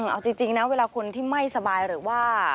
เอาจริงนะเวลาคนที่ไม่สบายหรือว่า